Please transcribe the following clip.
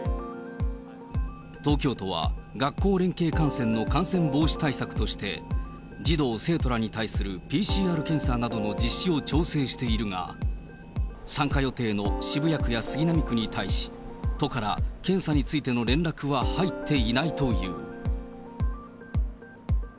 東京都は、学校連携観戦の感染防止対策として、児童・生徒らに対するＰＣＲ検査などの実施を調整しているが、参加予定の渋谷区や杉並区に対し、都から検査についての連絡は入っていないという。